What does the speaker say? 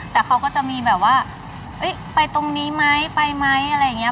แต่เขาก็จะมีแบบว่าไปตรงนี้ไหมไปไหมอะไรอย่างนี้